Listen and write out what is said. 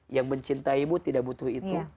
yang mencintaimu tidak butuh itu